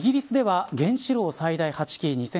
イギリスでは原子炉を最大８基